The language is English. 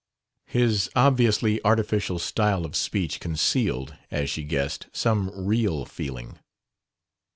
His obviously artificial style of speech concealed, as she guessed, some real feeling.